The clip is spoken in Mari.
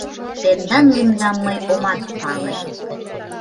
— Тендан лӱмдам мый омат пале.